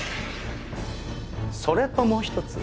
それともう一つ。